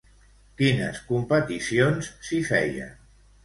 Quines competicions s'hi feien?